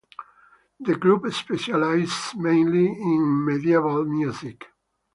The group specializes mainly in Medieval music.